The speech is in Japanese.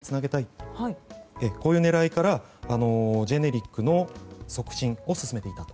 国としても医療費の抑制につなげたいとこういう狙いからジェネリックの促進を進めていたと。